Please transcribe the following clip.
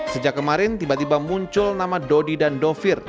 sejak kemarin tiba tiba muncul nama dodi dan dovir